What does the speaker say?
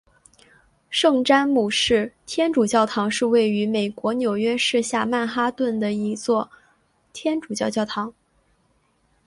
圣詹姆士天主教堂是位于美国纽约市下曼哈顿的一座天主教教堂。